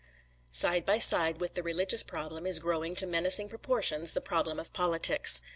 ] Side by side with the religious problem is growing to menacing proportions the problem of politics.